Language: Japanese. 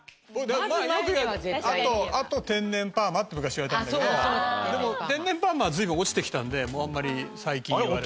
よく言われるのはあと天然パーマって昔言われたんだけどでも天然パーマは随分落ちてきたんでもうあんまり最近言われない。